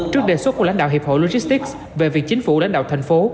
trước đề xuất của lãnh đạo hiệp hội logistics về việc chính phủ lãnh đạo thành phố